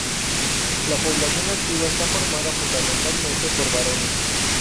La población activa está formada fundamentalmente por varones.